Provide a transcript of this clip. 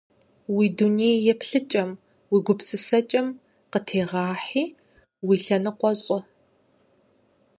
Уи дуней еплъыкӀэм, уи гупсысэкӀэм къытегъэхьи, уи лъэныкъуэ щӀы.